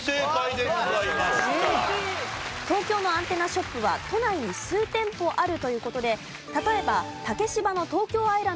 東京のアンテナショップは都内に数店舗あるという事で例えば竹芝の東京愛らん